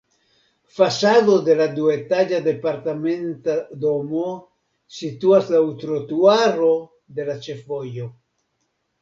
Fasado de la duetaĝa departementa domo situas laŭ trotuaro de la ĉefvojo.